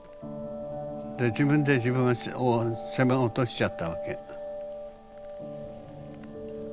自分で自分を責め落としちゃったわけ。